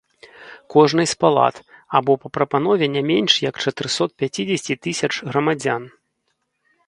Кожнай з палат, або па прапанове не менш як чатырсот пяцідзесяці тысяч грамадзян.